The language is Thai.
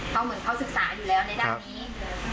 เขาเหมือนเขาศึกษาอยู่แล้วในด้านนี้